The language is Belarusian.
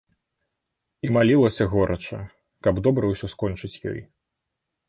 І малілася горача, каб добра ўсё скончыць ёй.